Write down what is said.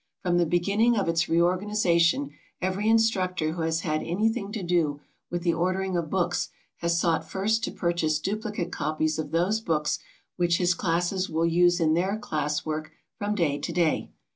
From the beginning of its reorganization every instructor who has had anything to do with the ordering of books has sought first to purchase duplicate copies of those books which his classes will use in their class work from day to day.